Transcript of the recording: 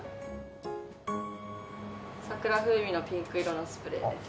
桜風味のピンク色のスプレーです。